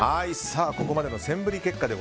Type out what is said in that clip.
ここまでのセンブリ結果